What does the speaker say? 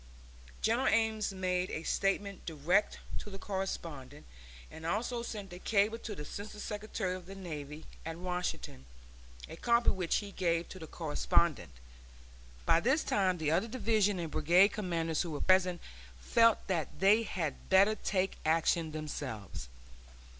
General Ames made a statement direct to the correspondent, and also sent a cable to the Assistant Secretary of the Navy at Washington, a copy of which he gave to the correspondent. By this time the other division and brigade commanders who were present felt that they had better take action themselves.